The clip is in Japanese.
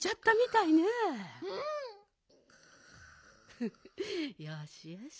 フフよしよし。